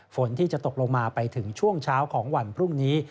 ฝนที่จะตกลงมาไปถึงช่วงเช้าของวันพรุ่งนี้